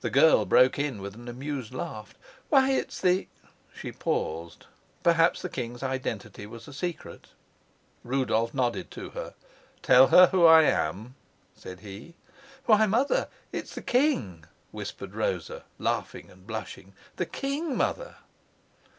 The girl broke in with an amused laugh. "Why, it's the " She paused. Perhaps the king's identity was a secret. Rudolf nodded to her. "Tell her who I am," said he. "Why, mother, it's the king," whispered Rosa, laughing and blushing. "The king, mother."